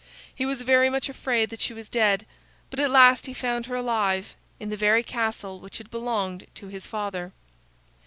He was very much afraid that she was dead, but at last he found her alive, in the very castle which had belonged to his father.